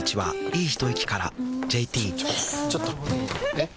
えっ⁉